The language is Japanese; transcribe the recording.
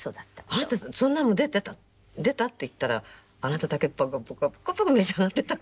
「あなたそんなの出てた？出た？」って言ったらあなただけパカパカパカパカ召し上がってたから。